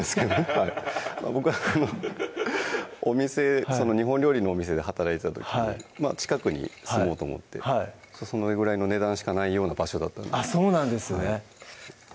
はい僕あの日本料理のお店で働いてた時に近くに住もうと思ってそのぐらいの値段しかないような場所だったんですそうなんですね